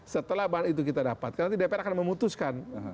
setelah bahan itu kita dapatkan nanti dpr akan memutuskan